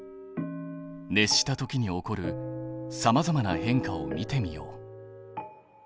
熱したときに起こるさまざまな変化を見てみよう。